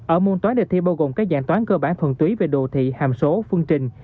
ở môn toán đề thi bao gồm các dạng toán cơ bản thuần túy về đô thị hàm số phương trình